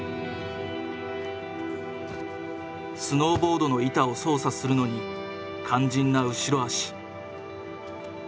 スノーボードの板を操作するのに肝心な後ろ足。